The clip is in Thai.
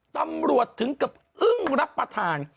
ตำรวจถึงกับอึ้งรับประทาน